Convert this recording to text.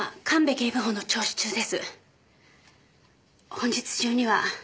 本日中には。